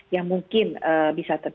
yang mungkin bisa terjadi